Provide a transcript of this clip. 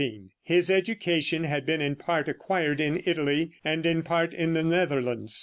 His education had been in part acquired in Italy, and in part in the Netherlands.